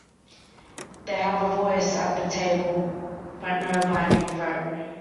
They have a voice at the table but no binding vote.